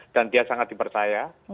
dan dia sangat dipercaya